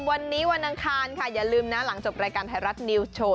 วันนี้วันอังคารค่ะอย่าลืมนะหลังจบรายการไทยรัฐนิวส์โชว์